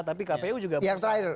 tapi kpu juga berusaha